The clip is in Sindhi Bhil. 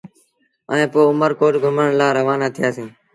ائيٚݩ پو اُمر ڪوٽ گھمڻ لآ روآنآ ٿيٚآسيٚݩ۔